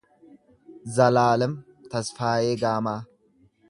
Zalaalem Tasfaayee Gaamaa